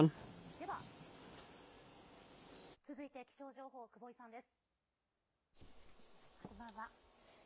では、続いて気象情報久保井さんです。